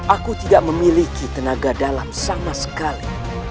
aku tidak memiliki tenaga dalam sama sekali